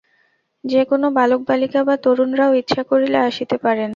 যে-কোন বালক বালিকা বা তরুণরাও ইচ্ছা করিলে আসিতে পারেন।